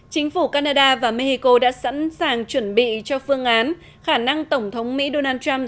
chính phủ canada và mexico đã sẵn sàng chuẩn bị cho phương án khả năng tổng thống mỹ donald trump